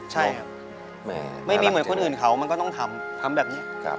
ใช่ครับไม่มีเหมือนคนอื่นเขามันก็ต้องทำแบบนี้